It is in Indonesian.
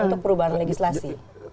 untuk perubahan legislasi